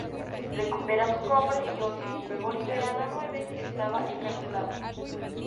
Recupera su cofre y otro, y luego liberan a Nueve, que estaba encarcelado.